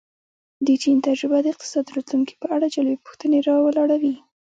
د چین تجربه د اقتصاد راتلونکې په اړه جالبې پوښتنې را ولاړوي.